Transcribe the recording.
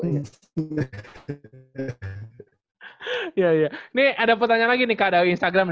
iya iya ini ada pertanyaan lagi nih kak dari instagram